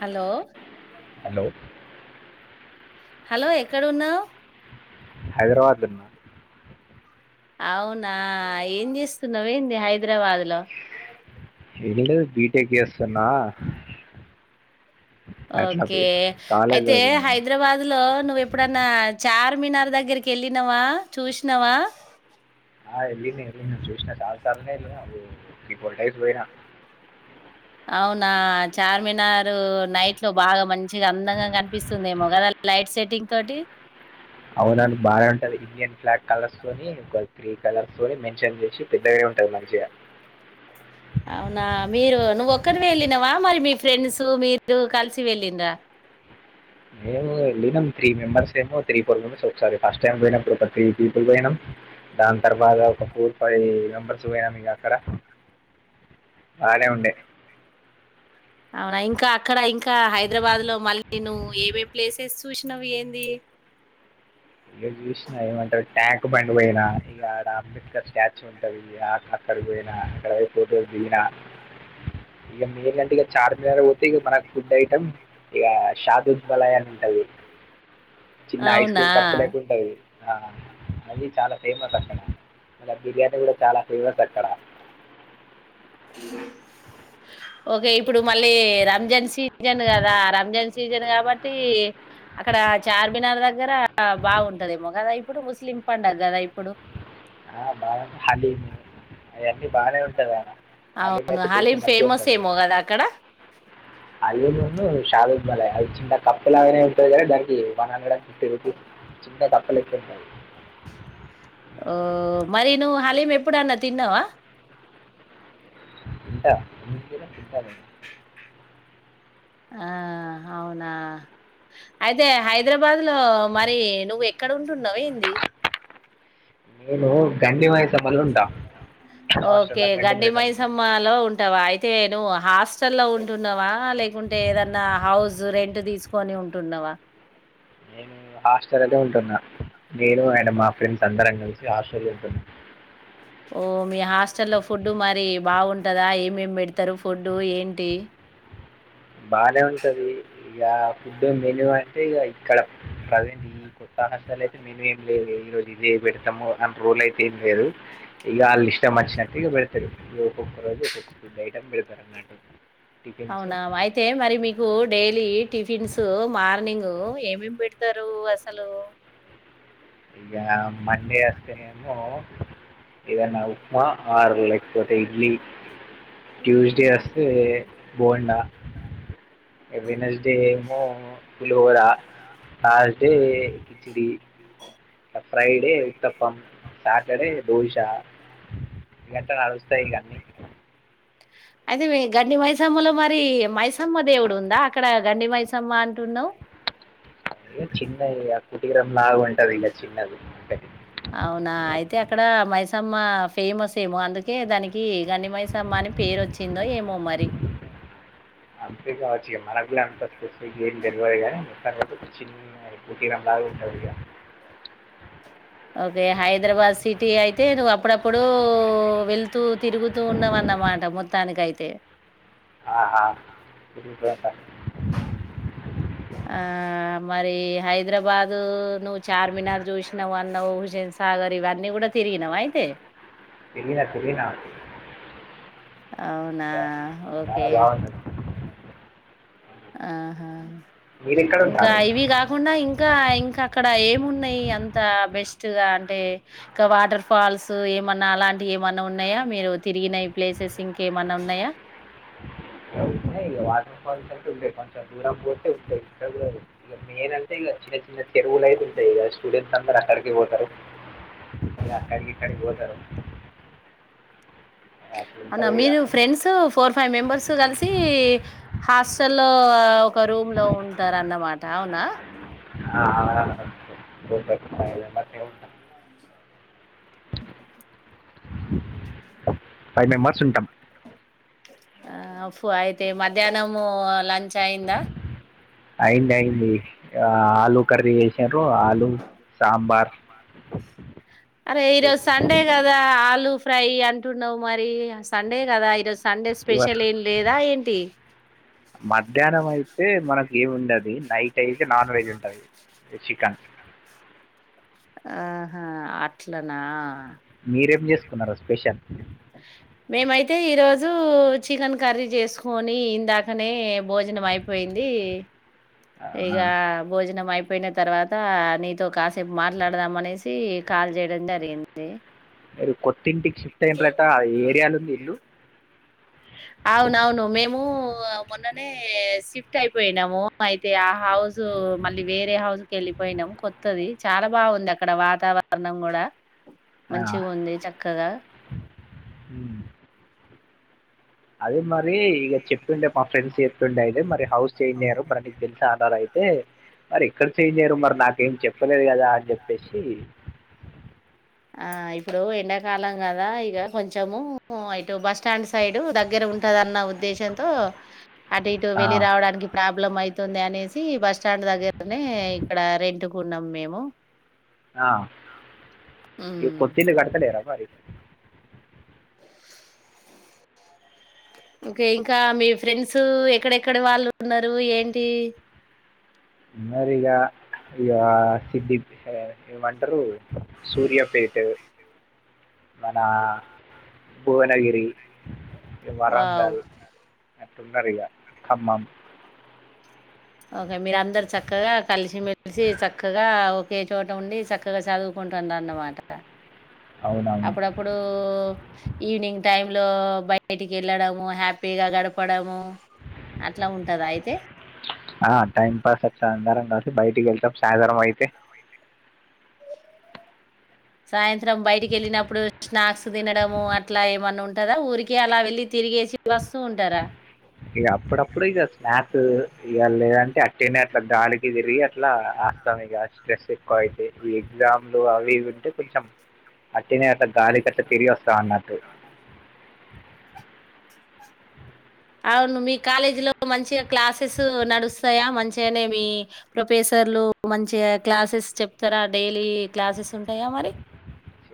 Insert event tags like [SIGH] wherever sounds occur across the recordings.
Hello hello hello ఎక్కడ ఉన్నావు హైదరాబాద్న్నా అవునా ఏం చేస్తున్నావ ఏంది హైదరాబాద్ లో ఎళ బీటె కేేస్న్నా ఓకే అయితే హైదరాబాద్ లో నువ్ ఎప్పుడన్నా చార్మినార్ దగ్గరికి వెళ్ళినవా చూసినవా వెళ్లిన చూసిన చాలా సర్ప్రైస్ అయ్యిన అవునా చార్మినార్ నైట్ లో బాగా మంచిగా అందంగా కనిపిస్తుంది ఏమో గదా లైట్ సెట్టింగ్ తోటి అవునాను బాగా కంటది ఇయట్ బ్లాక్ కలర్స్ తోని ఒక త్రీ కలర్స్ తోని మెన్షన్ చేసి పెద్దగానే ఉంటది మంచిగా అవునా మీరు నువ్వు ఒక్కనివే వెళ్ళినవా మరి మీ ఫ్రెండ్స్ మీరు కలిసి వెళ్లిండ్ర మేము వెళ్ళినం త్రీ మెంబర్స్ ఏమో త్రీ ఫోర్ మెంబెర్స్ ఒకసారి ఫస్ట్ టైం పోయినప్పుడు ఒక త్రీ పీపుల్ వోయినాం దాని తర్వాత ఒక ఫోర్ ఫైవ్ మెంబర్స్ వోయినాం ఇగ అక్కడ బాగనే ఉండే అవునా ఇంకా అక్కడ ఇక్ ఇంకా హైదరాబాద్ లో మళ్ళీ నువ్ ఎమ్ ఎమ్ ప్లేసెస్ చూసినవి ఏంది ఇగ చూసినా ఏమంటారు ట్యాంక్ బండి వోయినా ఇగ ఆడ అంబేద్కర్ స్టాచ్యూ ఉంటంది అక్కడి వోయినా అక్కడ ఫోటో దిగిన ఇగ మీ గంటి ఇగ చార్మినార్ వోతే ఇగ మన ఫుడ్ ఐటెమ్ ఇగ షాదు బలాయ్ అని ఉంటది చిన్న ఐస్ క్రీమ్ కప్ తినేక్ ఉంటంది అది చాలా ఫేమస్ అక్కడ ఇగ బిర్యానీ గూడం చాలా ఫేమస్ అక్కడ ఓకే ఇప్పుడు మళ్ళీ రంజాన్ సీజన్ గదా రంజాన్ సీజన్ కాబట్టి అక్కడ చార్మినార్ దగ్గర ఆ బాగుంటదేమో గదా ఇప్పుడు ముస్లిం పండుగ గదా ఇప్పుడు ఆ బాగా హలీం ఇ బాగానే ఉంటద నాన్న హాలీమ్ అయితే టెస్ట్ మంచిగా ఉంటది హాలీమ్ ఉన్ను షారద్ బాలయ్ అది చిన్న కప్ ల గానే ఉంటది గాని దానికి one hundred and fifty rupees చిన్న కప్ లెక్క ఉంటది ఓ మరి నువ్వు హలీం ఎప్పుడన్నా తిన్నావా ఉంటా ఎ ఉంటడి ఆ అవునా అయితే హైదరాబాద్ లో మరి నువ్వు ఎక్కడ ఉంటున్నావ ఏంది నేను గడి మై ఓకే గండి మైసమ్మాలో ఉంటావా అయితేను హాస్టల్ల్లో ఉంటున్నావా లేకుంటే ఏదన్నా హౌస్ రెంట్ తీసుకొని ఉంటున్నావా నేను హాస్టల్ లనే ఉంటున్నా నేను అడ మా ఫ్రెండ్స్ అందరం కలిసి షే హాస్టల్ ఉంటడు ఓ మీ హాస్టల్లో ఫుడ్డు మరి బాగుంటదా ఏమేమి పెడతారు ఫుడ్డు ఏంటి బాగనే ఉంటది ఇగ ఫుడ్ మెనూ అంటే ఇగ ఇక్కడ ప్రజెంట్ ఈ కొత్త హాస్టల్ అయితే మెనూ ఏం లేదు ఈ రోజు ఇదే పెడుతాం అని రూల్ అయితే ఏం లేదు ఇగ వాళ్ళ ఇష్టం వచ్చినట్టు ఇగ పెడతారు ఒక్కొక్క రోజు ఒక్కొక్క ఫుడ్ ఐటమ్ పెడతారు అన్నట్టు అవునా వయితే మరిమ్ మీకు డైలీ టిఫిన్స్ మార్నింగ్ ఏమేమి పెడతారు అసలు ఇగ మండే అస్తే నేమో ఏదన్నా ఉప్మా ఆరు లేకుపోతే ఇడ్లీ ట్యూస్డే వస్తే బోండా [UNINTELLIGIBLE] దే ఏమో రా టీ హెచ్ D [UNINTELLIGIBLE] Friday uttapam Saturday dosa గంట సై ఇగ అయితే మ గండి మైసమ్మలో మరి మైసమ్మ దేవుడు ఉందా అక్కడ గండి మైసమ్మ అంటున్నావు కుటికిరండి అవునా అయితే అక్కడ మైస మ్మ ఫేమస్ ఏమో అందుకే దానికి గండి మైసమ్మ అని పేరు వచ్చిందో ఏమో మరి అంత కావచ్చ మనకు అంత స్పెఫిక్ తెల్వదు చిన్న కుటీరం లాగా ఉంటంది [INAUDIBLE] ఓకే హైదరాబాద్ సిటీ అయితే నువ్వు అప్పుడప్పుడు వెళ్తూ తిరుగుతూ ఉన్నావన్న అన్నమాట మొత్తానినికి అయితే తే ఆ [INAUDIBLE] మరి హైదరాబాదు నువ్వు చార్మినార్ చూసినవ ఊ ఉషెన్ సాగర్ ఇవన్నీ కూడా తిరిగినావా అయితే తిరిగిన తిరిగిన అవునా ఓకే ఆహా ఇంకా ఇవి కాకుండా ఇంకా ఇంకా అక్కడ ఏ ఏమి ఉన్నాయి అంత బెస్ట్ గా అంటే ఇంకా వాటర్ ఫాల్స్ ఏమన్నా అలాంటివి ఏమన్నా ఉన్నాయా మీరు తిరిగిన ఈ ప్లేసెస్ ఇంకేమన్నా ఉన్నాయా ఇంగ ఉన్నయి ఇగ వాటర్ ఫాల్స్ అంటే ఉంటయి కొంచెం దూరం పోతే ఉంటయి, ఇక్కడ ఇ మెయిన్ అంటే ఇగ చిన్న చిన్న చెరువులు అయితే ఉంటాయి, ఇగ స్టూడెంట్స్ అందరు అక్కడికే పోతారు. ఇంగ అక్కడికి ఇక్కడికి వోద్ సరే అవునా మీరు ఫ్రెండ్స్ ఫోర్ ఫైవ్ మెంబర్స్ కలిసి హాస్టల్ లో ఒక రూమ్ లో ఉంటార అన్నమాట అవునా [INAUDIBLE] ఫైవ్ మెంబర్స్ ఉంటాం ఆ అప్ అయితే మధ్యాహ్నము లంచ్ అయిందా అయింది అయింది ఆ ఆలు కర్రీ చేశా ఆలుూ సాంబార్ [INAUDIBLE] అరే ఇరోజ సండే గ అదా అ బలూ ఫ్రై అంటున్నావు మరి సండే కదా ఈరోజు సండే స్పెషల్ ఏం లేదా ఏంటి మధ్యాహ్నం అయితే మనక్ ఏం ఉండది నైట్ అయితే నాన్ వెజ్ ఉంటది చికెన్ ఆహా అట్లనా మీరేం చేసుకున్నారో స్పెషల్ మేమైతే ఈరోజు చికెన్ కర్రీ చేసుకొని, ఇందాకనే భోజనం అయిపోయింది. ఇగా భోజనం అయిప్ పోయిన తర్వాత నీతో కాసేపు మాట్లాడుదాం అనేసి కాల్ చేయడం జరిగింది. ఏది కొత్ త్త ఇంటికి షిఫ్ట్ అయ్యిండ్రు అంట ఏ ఏరియాలో ఉంది ఇల్లు అవునవును మేము మొన్ మొన్ననే షిఫ్ట్ అయిపోయినాము. అయితే ఆ హౌస్ మళ్ళీ వేరే హౌస్ కి వెళ్ళిపోయినాము, కొత్తది చాలా బాగుంది అక్కడ వాతావరణం కూడ. మంచిగ ఉంది చక్కగా అది మ అది ఇగ చెప్పిందప్ మా ఫ్రెండ్స్ చెప్తుండే అయితే మరి హౌస్ చేంజ్ అయ్యిర్రు మరి నీకు తెలిసా అన్నారు అయితే మరి ఎక్కడ చేయిరు మరి నాకేం చెప్పలేదు కదా అని చెప్పేసి ఆ ఇప్పుడు ఎండాకాలం కదా ఇగా కొంచము ఇటు బస్టాండ్ సైడ్ దగ్గర ఉంటదన్న ఉద్దేశంతో అటు ఇటు వెళ్లి రావడానికి ప్రాం బ్లం అయితుంది అనేసి బస్టాండ్ దగ్గరనే ఇక్కడ రెంటుకున్నాం మేము ఆ ఈ కొత్తిళ్ళు కడ్తలేదా [UNINTELLIGIBLE] మరి కే ఇంకా మీ ఫ్రెండ్స్ ఎక్కడెక్కడ వాళ్ళు ఉన్నారు ఏంటి మరి ఇగ ఇగ సిటీ ఏమంటారు సూర్యాపేట్ మన భువనగిరి ఈ వరంగల్ అట్లుండరు ఇగ ఖమ్మం ఓకే మీరు అందరు చక్కగా కలిసిమెలిసి చక్కగా ఒకే చోట ఉండి చక్కగా చదువుకుంటున్నారు అన్నమాట అప్పుడప్పుడు ఈవినింగ్ టైం లో బయటికి వెళ్ళడము హ్యాపీగా గడపడము ఆ టైమ్ పాస్ [UNINTELLIGIBLE] కాబట్టి బయ ఎట్లా సాయంత్రం అయతే సాయంత్రం బయటకు వెళ్ళినప్పుడు స్స్నాక్స్ తినడము అట్లా ఏమన్నా ఉంటదా ఊరికే అలా వెళ్ళి తిరిగేసి వస్తూ ఉంటారా ఏ అప్పుడ ఎప్పుడు ఇంకా స్నాక్ ఇగ లేదంటే నే అట్లా గాలికి తిరిగి అట్లా ఆస్తాం ఇక స్ట్రెస్ ఎక్కువ అవుంది ఈ ఎగ్జామ్స్ అవి ఇవి ఉంటే కొంచెం అన మీస్త అవును మీ కాలేజీలో మంచిగా క్లాసెస్ నడుస్తాయా మంచిగానే మీ ప్రొఫెసర్లు మంచిగా క్లాసెస్ చెప్తారా డైలీ క్లాసెస్ ఉంటాయా మరి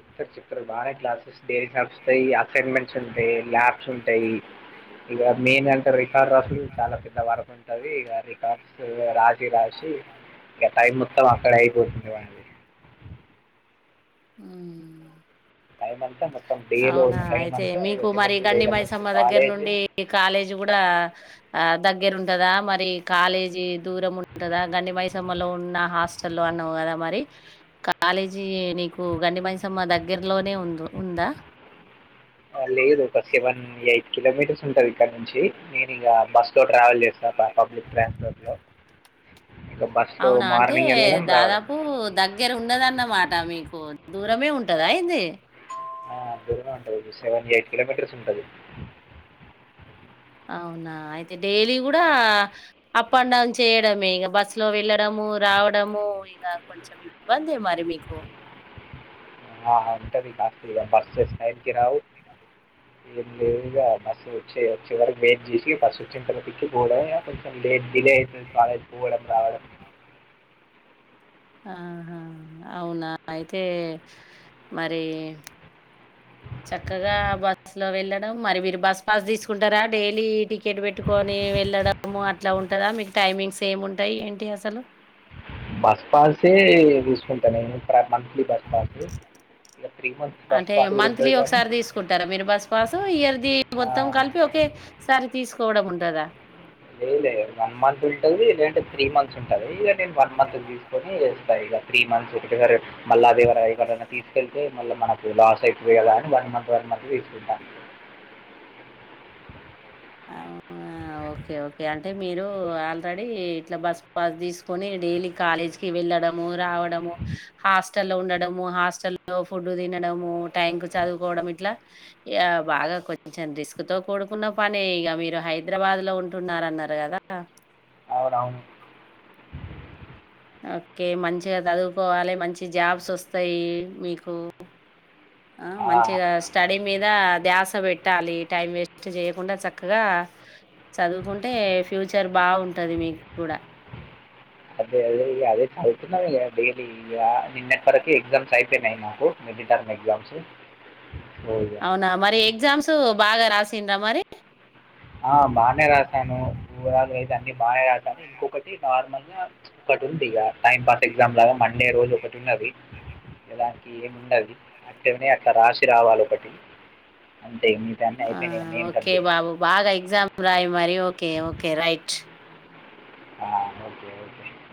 చెప్తారు చెప్తారు బాగానే క్లాసెస్ డైర క్ వస్తాయి అసైన్మెంట్స్ ఉంటాయి ల్యాబ్స్ ఉంటాయి ఇక మెయిన్ అంటే రికార్డ్ అసలు చాలా పెద్ద వరకు ఉంటంది ఇ రికార్డ్ రా రాసి గ టైం మొత్తం అక్కడ అయిపోతుందివాడి అ అవునా అయితే మీకు మరి గండి మైసమ్మ దగ్గర నుండి కాలేజీ కూడా ఆ దగ్గ దగ్గర ఉంటదా మరి కాలేజీ దూరం ఉంటదా గండి మైసమ్మ లో ఉన్న హాస్టల్ అన్నావు కదా మరి కాలేజీ నీకు గండి మైసమ్మ దగ్గరలోనే ఉంది ఉందా అ లేదు కసి బన్ యి కిలోమీటర్స్ ఉంటది ఇక్కడ నుంచి నేను ఇక బస్సు తో ట్రావెల్ చేస్తాను పబ్లిక్ ట్రాన్స్పోర్ట్ లో అవునా అంటే దాదాపు దగ్గర ఉన్నదన్నమాట మీకు దూరమే ఉంటదా ఏంది ఆ దూరమే ఉంటది సెవెన్ ఎయిట్ కిలోమీటర్స్ ఉంటది అవునా అయితే డైలీ కూడా అప్ అండ్ డౌన్ చేయడమే ఇగ బస్ లో వెళ్ళడము రావడము ఇగ కొంచెం ఇబ్బందే మరి మీకు ఆ అయితది [UNINTELLIGIBLE] బస్సెస్ టైమ్ కి రావు ఏం లేదుగా బస్సు వచ్చే వచ్చే వరకు వెయిట్ చేసి బస్ వచ్చిన తర్వాత ఎక్కి పోవుడే ఇగ కొంచెం లేట్ డిలే అయితది కాలేజ్ పోవడం రావడం ఆహా అవునా అయితే మరి చక్కగా బస్సులో వెళ్లడం మరి మీరు బస్సు పాస్ తీసుకుంటారా? డైలీ టికెట్ పెట్టుకోని వెళ్లడం అట్లా ఉంటదా మీకు టైమింగ్స్ ఏముంటాయి ఏంటి అసలు బస్ పాసే తీసుకుంటాను ఇంగ ఇక్కడ ఈ బస్ పాసే అంటే మంత్లీ ఒకసారి తీసుకుంటారా మీరు బస్ పాసు ఇయర్ది మొత్తం కలిపి ఒకే సారి తీసు కోవడం ఉంటద లేద్ లేద్ వన్ మంత్ ఉంటది లేదంటే త్రీ మంత్స్ ఉంటది ఇగ. నేను వన్ మంత్ తీసుకుని జేస్తా. త్రీ మంత్స్ ఒకేసారి మళ్ళ దేవర ఎక్కడికన్నా తీసుకెళ్తే మళ్ళ మనకు లాస్ అయి ఉంది కదా అని వన్ మంత్, వన్ మంత్ తీసుకుంటా అవునా ఓకే ఓకే అంటే మీరు ఆల్రెడీ ఇట్లా బస్సు బస్ తీసుకొని, డైలీ కాలేజీకిి వెళ్ళడము రావ. హా స్ స్టలో ఉండడము, హాస్టల్ లో ఫుడ్ తినడము, టైం కు చదువుకోవడం, ఇట్లా ఇగ బాగా కొంచెం రిస్క్ తో కూడుకున్న. పనే ఇగ, మీరు హైదరాబాద్‌లో ఉంటున్నారన్నారు కదా? అవును. ఓకే, మంచిగా చదువుకోవాలే. మంచి జాబ్స్ వస్తయి మీకు. ఆ, మంచిగా స్టడీ. మీదే ధ్యాస పెట్టాలి. టైం వేస్ట్ చేయకుండా చక్కగా చదువుకుంటే, ఫ్యూచర్ బాగుంటది మీకు కూడా. అదే, అద అదే ఇగ చదుతున్నా. ఇగ డైలీ. ఇగ నిన్నటి వరకు ఎగ్జామ్స్ అయిపోయినయి నాకు మిడ్‌టర్మ్ ఎగ్జామ్స్. అవునా! మరి ఎగ్జామ్స్ బాగా రాశ్తు తిన్నదా మరి? ఆ, బానే [UNINTELLIGIBLE] ఒట్టనే రాశాను. బాగా అయితంది. అన్ని బానే రాశాను. ఇంకొకటి నార్మల్ గా ఒకటి ఉంది. ఇగ టైమ్ పాస్. ఎగ్జామ్స్ లాగా మండే రోజు ఒకటి ఉన్నది. ఎలా అని? ఏముందడది? అటే ఉన్నాయి. అట్లా రాసి రావాలే, ఒకటే అంతే. మిగతావన్నీ అయిపోయినయి, మెయిన్ సబ్జెక్ట్స్. రాయి మరి. Okay okay, right. ఆ, ఓకే ఓకే.